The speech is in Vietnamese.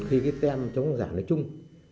thì một khi cái tem chống giả này chung